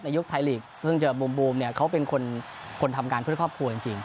ยุคไทยลีกเพิ่งเจอบูมเนี่ยเขาเป็นคนทำงานเพื่อครอบครัวจริง